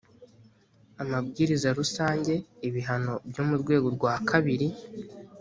amabwiriza rusange ibihano byo mu rwego rwa kabiri